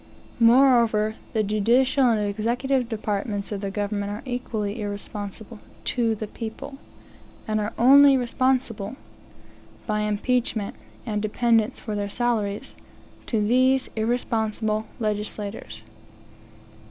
Moreover, the judicial and executive departments of the government are equally irresponsible to the people, and are only responsible, (by impeachment, and dependence for their salaries), to these irresponsible legislators.